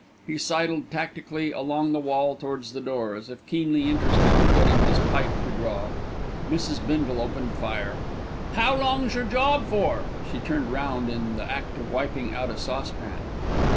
He sidled tactically along the wall towards the door, as if keenly interested in getting his pipe to draw. Mrs. Bindle opened fire. "How long's your job for?" She turned round in the act of wiping out a saucepan.